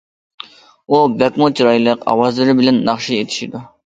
ئۇ بەكمۇ چىرايلىق ئاۋازلىرى بىلەن ناخشا ئېيتىشىدۇ.